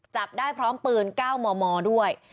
จับได้พร้อมปืน๙มมด้วย